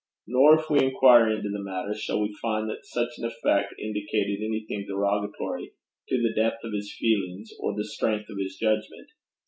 Nor if we inquire into the matter shall we find that such an effect indicated anything derogatory to the depth of his feelings or the strength of his judgment.